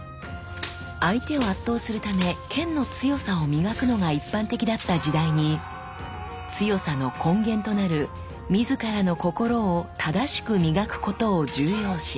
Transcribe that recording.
相手を圧倒するため剣の強さを磨くのが一般的だった時代に強さの根源となる自らの心を正し磨くことを重要視。